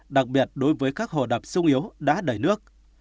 đặc biệt đối với các hồ đập sung yếu đã đầy nước